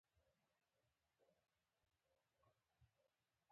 د نن ماشومان د سبا ځوانان دي.